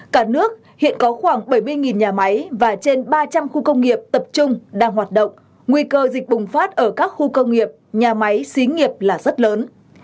cả nước hiện có khoảng bảy mươi nhà máy và trên ba trăm linh khu công nghiệp tập trung đang hoạt động nguy cơ dịch bùng phát ở các khu công nghiệp nhà máy xí nghiệp là rất lớn